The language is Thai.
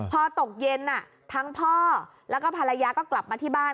พอตกเย็นทั้งพ่อแล้วก็ภรรยาก็กลับมาที่บ้าน